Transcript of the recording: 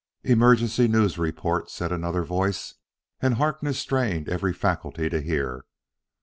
"Emergency news report," said another voice, and Harkness strained every faculty to hear.